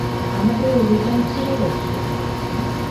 আমাদের অভিযান শুরু হচ্ছে!